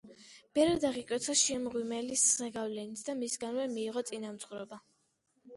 ბერად აღიკვეცა შიო მღვიმელის ზეგავლენით და მისგანვე მიიღო წინამძღვრობა.